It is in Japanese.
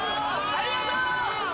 ありがとう！